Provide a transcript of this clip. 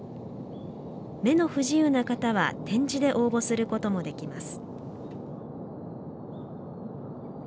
目の不自由な方は点字で応募することもできます。